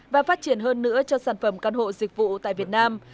và phát triển hơn nữa cho sản phẩm căn hộ dịch vụ tại việt nam